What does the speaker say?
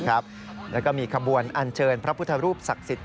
แล้วก็มีขบวนอันเชิญพระพุทธรูปศักดิ์สิทธิ